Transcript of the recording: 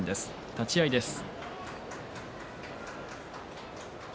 立ち合いです。